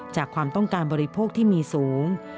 ความต้องการบริโภคที่มีสูง